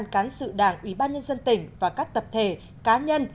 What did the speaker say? cán sự đảng ubnd tỉnh và các tập thể cá nhân